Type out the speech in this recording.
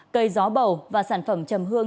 cây gió bầu và sản phẩm trầm hương